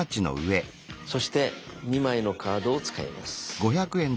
そして２枚のカードを使います。